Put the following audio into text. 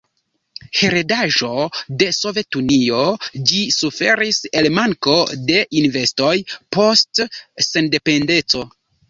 Heredaĵo de Sovetunio, ĝi suferis el manko de investoj post sendependeco.